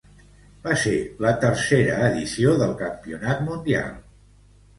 Va ser la tercera edició del campionat mundial.